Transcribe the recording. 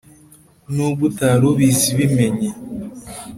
nubwo utari ubizi bimenye